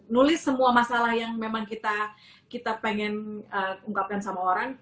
nulis semua masalah yang memang kita pengen ungkapkan sama orang